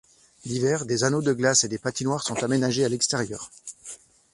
L'hiver, des anneaux de glace et des patinoires sont aménagés à l'extérieur.